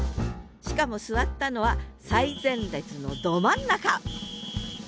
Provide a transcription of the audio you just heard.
しかも座ったのは最前列のど真ん中！